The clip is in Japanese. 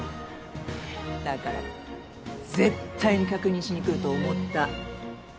だから絶対に確認しにくると思った。